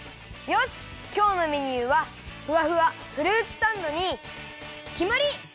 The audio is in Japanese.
よしきょうのメニューはふわふわフルーツサンドにきまり！